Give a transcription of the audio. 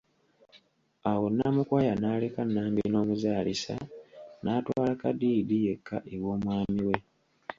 Awo Namukwaya n'aleka Nambi n'omuzaalisa, n'atwala Kadiidi yekka ew'omwami we.